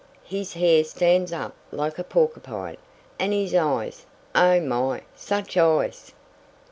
His hair stands up like a porcupine, and his eyes! Oh, my! such eyes!"